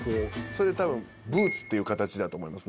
それ多分ブーツっていう形だと思います